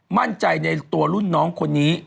มั่นใจในตัวรุ่นน้องคนนี้